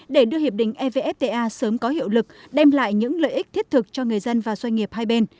để đưa hiệp định evfta sớm có hiệu lực đem lại những lợi ích thiết thực cho người dân và doanh nghiệp hai bên